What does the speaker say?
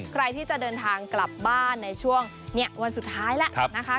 ใครที่จะเดินทางกลับบ้านในช่วงวันสุดท้ายแล้วนะคะ